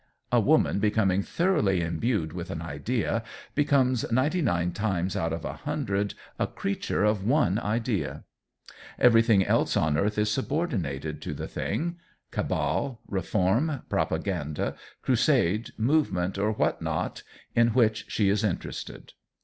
A woman, becoming thoroughly imbued with an idea, becomes, ninety nine times out of a hundred, a creature of one idea. Everything else on earth is subordinated to the thing cabal, reform, propaganda, crusade, movement or what not in which she is interested.